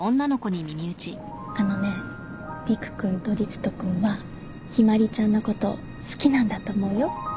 あのねリク君とリツト君はヒマリちゃんのこと好きなんだと思うよ。